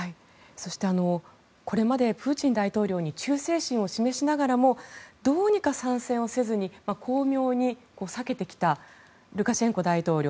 そしてこれまでプーチン大統領に忠誠心を示しながらどうにか参戦せずに巧妙に避けてきたルカシェンコ大統領。